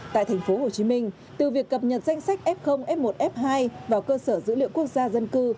tại tp hcm từ việc cập nhật danh sách f f một f hai vào cơ sở dữ liệu quốc gia dân cư